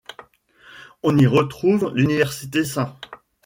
On y retrouve l'université St.